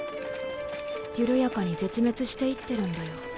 緩やかに絶滅していってるんだよ。